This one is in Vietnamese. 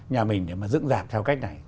nhà mình để mà dựng dạp theo cách này